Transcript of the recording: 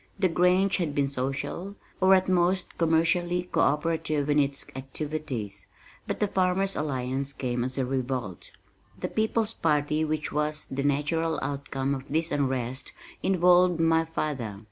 The Grange had been social, or at most commercially co operative in its activities, but The Farmers' Alliance came as a revolt. The People's Party which was the natural outcome of this unrest involved my father.